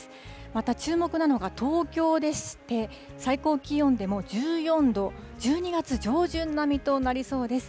また、注目なのが東京でして、最高気温でも１４度、１２月上旬並みとなりそうです。